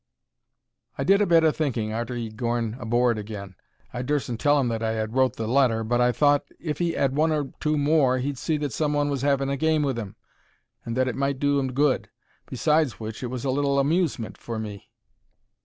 I did a bit o' thinking arter he 'ad gorn aboard agin. I dursn't tell 'im that I 'ad wrote the letter, but I thought if he 'ad one or two more he'd see that some one was 'aving a game with 'im, and that it might do 'im good. Besides which it was a little amusement for me.